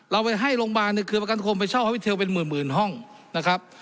เราไปให้โรงพยาบาลในเครือประกันคมไปเช่าฮอฟิเทลเป็นหมื่นห้องนะครับ